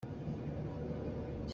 Zaangfahnak in bawm kha thianh.